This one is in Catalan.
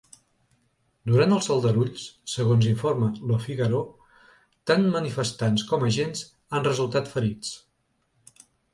Durant els aldarulls, segons informa ‘Le Figaro’, tant manifestants com agents han resultat ferits.